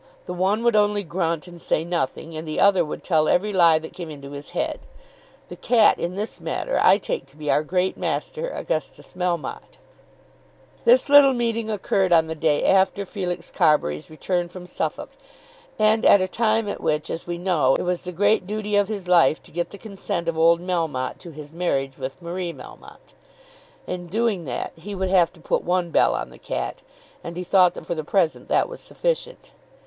The one would only grunt and say nothing, and the other would tell every lie that came into his head. The cat in this matter I take to be our great master, Augustus Melmotte." This little meeting occurred on the day after Felix Carbury's return from Suffolk, and at a time at which, as we know, it was the great duty of his life to get the consent of old Melmotte to his marriage with Marie Melmotte. In doing that he would have to put one bell on the cat, and he thought that for the present that was sufficient.